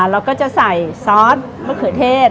เราก็จะใส่ซอสมะเขือเทศ